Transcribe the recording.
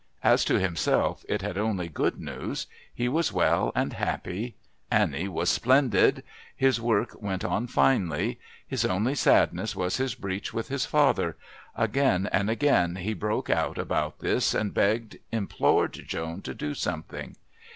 As to himself it had only good news; he was well and happy, Annie was "splendid." His work went on finely. His only sadness was his breach with his father; again and again he broke out about this, and begged, implored Joan to do something.